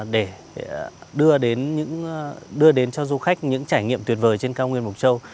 để đưa đến cho du khách những trải nghiệm tuyệt vời trên cao nguyên mục châu